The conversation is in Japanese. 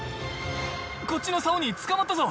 こっちの竿につかまったぞ！